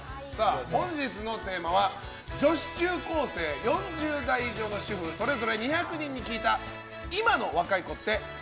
本日のテーマは女子中高生、４０代以上の主婦それぞれ２００人に聞いた今の若い子って？？？